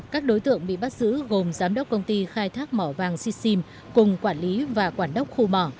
các đối tượng bị bắt giữ gồm giám đốc công ty khai thác mỏ vàng xisim cùng quản lý và quản đốc khu mỏ